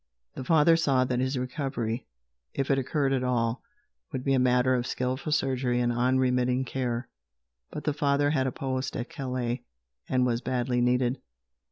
The father saw that his recovery, if it occurred at all, would be a matter of skillful surgery and unremitting care, but the father had a post at Calais and was badly needed.